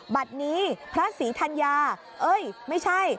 บัตรนี้พระศรีธัญญาเอ้ยไม่ใช่